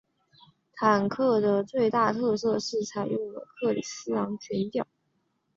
这款坦克的最大特色是采用了克里斯蒂悬吊。